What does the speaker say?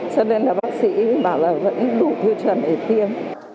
cho nên là bác sĩ bảo là vẫn đủ tiêu chuẩn để tiêm